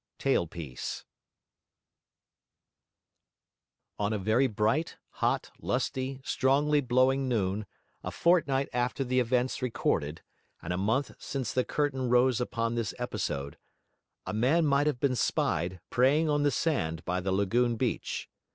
TAIL PIECE On a very bright, hot, lusty, strongly blowing noon, a fortnight after the events recorded, and a month since the curtain rose upon this episode, a man might have been spied, praying on the sand by the lagoon beach.